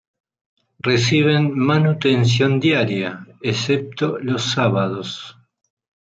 Reciben manutención diaria, excepto los sábados.